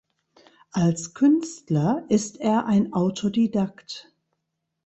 Als Künstler ist er ein Autodidakt.